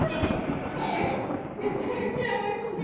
おいめちゃめちゃおいしいです。